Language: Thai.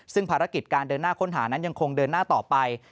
ซึ่งภารกิจการเดินหน้าค้นหานั้นยังคงเดินหน้าต่อไป